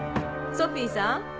ソフィーさん